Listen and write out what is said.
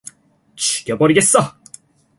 죽여버리겠어!